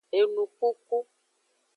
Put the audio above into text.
Enukuku.